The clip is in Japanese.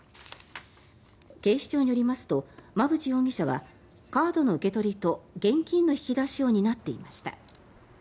警視庁によりますと馬渕容疑者はカードの受け取りと現金の引き出しを担っていました。